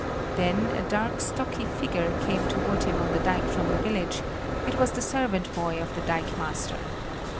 Then a dark, stocky figure came toward him on the dike from the village; it was the servant boy of the dikemaster.